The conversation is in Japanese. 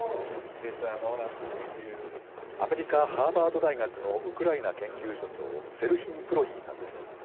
アメリカ・ハーバード大学のウクライナ研究所長、セルヒー・プロヒーさんです。